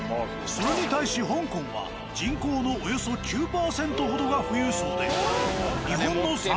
それに対し香港は人口のおよそ９％ほどが富裕層で。